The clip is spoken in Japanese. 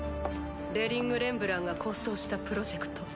デリング・レンブランが構想したプロジェクト。